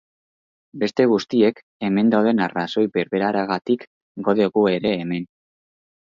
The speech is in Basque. Beste guztiak hemen dauden arrazoi berberagatik gaude gu ere hemen.